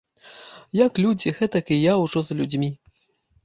Як людзі, гэтак і я ўжо за людзьмі.